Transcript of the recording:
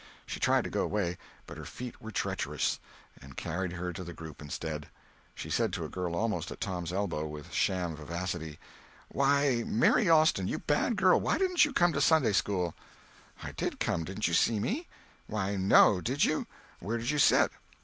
She tried to go away, but her feet were treacherous, and carried her to the group instead. She said to a girl almost at Tom's elbow—with sham vivacity: "Why, Mary Austin! you bad girl, why didn't you come to Sunday school?" "I did come—didn't you see me?" "Why, no! Did you? Where did you sit?"